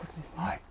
はい。